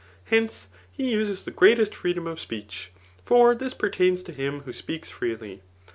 Hence he uses the greatest freedom of ^ech ; for this pertains tt> hikn who spcakB freely.